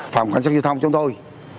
phòng cảnh sát giao thông chúng tôi